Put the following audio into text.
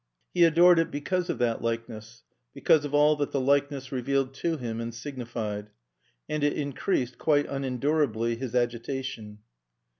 He adored it because of that likeness, because of all that the likeness revealed to him and signified. And it increased, quite unendurably, his agitation.